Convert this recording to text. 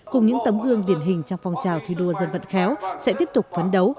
cùng những tấm gương điển hình trong phong trào thi đua dân vận khéo sẽ tiếp tục phấn đấu